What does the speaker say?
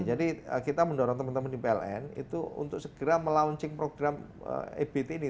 jadi kita mendorong teman teman di pln untuk segera melouncing program ebt ini